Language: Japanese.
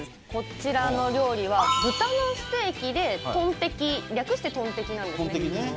こちらの料理は「豚のステーキ」で「トンテキ」略して「トンテキ」なんですね。